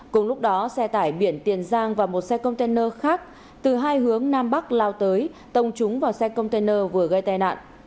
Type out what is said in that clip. cùng lúc đó xe tải biển tiền giang và một xe container khác từ hai hướng nam bắc lao tới tông trúng vào xe container vừa gây tai nạn